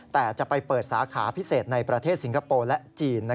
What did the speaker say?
แต่จะไปเปิดสาขาพิเศษในประเทศสิงคโปร์และจีน